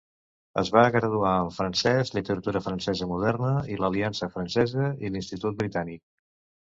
Es va graduar en francès, literatura francesa moderna, l'Aliança Francesa i l'Institut Britànic.